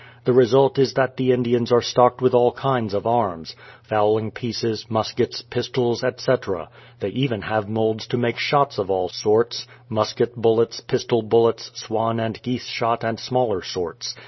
The result is that the Indians are stocked with all kinds of arms, — fowling pieces, muskets, pistols, etc. They even have moulds to make shots of all sorts, — musket bullets, pistol bullets, swan and geese shot and smaller sorts.